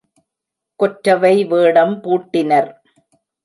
கொற்றவை வேடம் பூட்டினர்.